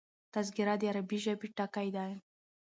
تذکره د عربي ژبي ټکی دﺉ.